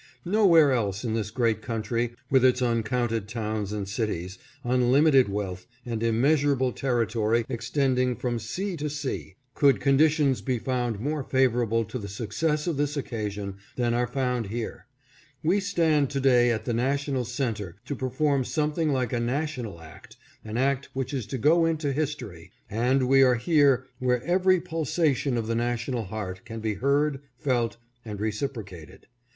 No where else in this great country, with its uncounted towns and cities, unlimited wealth, and immeasurable territory extending from sea to sea, could conditions be found more favorable to the success of this occasion than are found here. We stand to day at the national center to perform some thing like a national act — an act which is to go into his (584) CONTRAST BETWEEN THE PAST AND PRESENT. 585 tory ; and we are here where every pulsation of the national heart can be heard, felt, and reciprocated.